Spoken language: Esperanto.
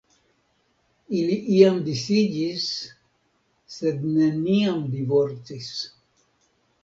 Ili iam disiĝis, sed neniam divorcis.